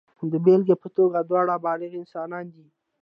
د بېلګې په توګه دواړه بالغ انسانان دي.